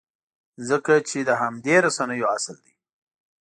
خلک چې د همدې رسنیو اصل دی.